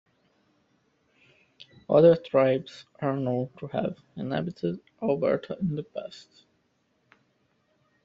Other tribes are known to have inhabited Alberta in the past.